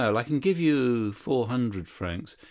I will give you four hundred francs.